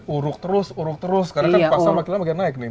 uruk terus uruk terus karena kan pasang lagi naik nih